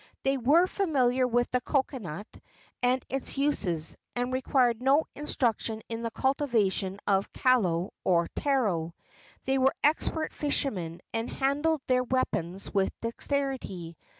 They were familiar with the cocoanut and its uses, and required no instruction in the cultivation of kalo or taro. They were expert fishermen, and handled their weapons with dexterity.